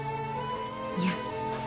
いや。